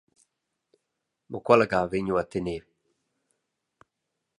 Mo quella ga vegn jeu a tener.